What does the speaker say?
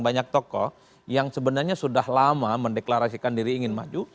banyak tokoh yang sebenarnya sudah lama mendeklarasikan diri ingin maju